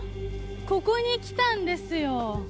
ここに来たんですよ。